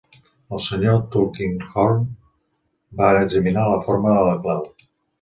El senyor Tulkinghorn va examinar la forma de la clau.